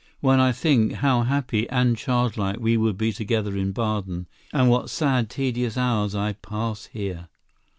When I think how happy and childlike we would be together in Baden and what sad, tedious hours I pass here!